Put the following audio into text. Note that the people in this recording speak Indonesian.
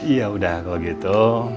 ya udah kalau gitu